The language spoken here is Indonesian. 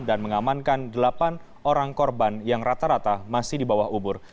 dan mengamankan delapan orang korban yang rata rata masih di bawah umur